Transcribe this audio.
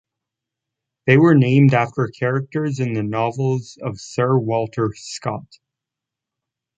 They were named after characters in the novels of Sir Walter Scott.